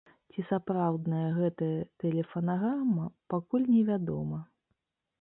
Ці сапраўдная гэтая тэлефанаграмма, пакуль невядома.